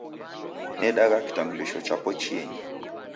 Nedagha kitambulisho chapo chienyi